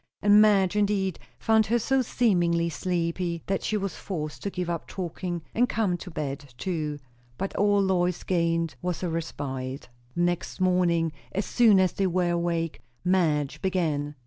And Madge indeed found her so seemingly sleepy, that she was forced to give up talking and come to bed too. But all Lois had gained was a respite. The next morning, as soon as they were awake, Madge began.